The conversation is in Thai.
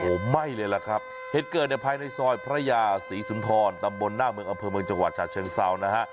โอ้โหไหม้เลยล่ะครับเหตุเกิดในภายในซอยพระยาศรีสุนทรตำบลหน้าเมืองอำเภอเมืองจังหวัดฉะเชิงเซานะฮะ